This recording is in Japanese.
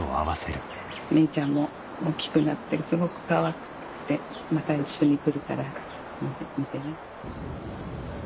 ミイちゃんも大きくなってすごくかわいくってまた一緒に来るから待っててね。